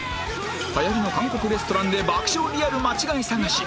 流行りの韓国レストランで爆笑リアル間違い探し